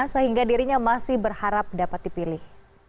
sehingga dirinya masih berharap dapat dipilih